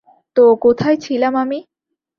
তো, কোথায় ছিলাম আমি?